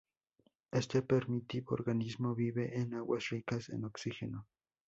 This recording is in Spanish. Este primitivo organismo vive en aguas ricas en oxígeno.